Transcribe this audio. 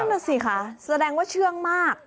นั่นน่ะสิคะแสดงว่าเชื่องมาก